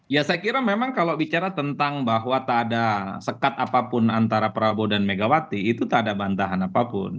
ya saya kira memang kalau bicara tentang bahwa tak ada sekat apapun antara prabowo dan megawati itu tak ada bantahan apapun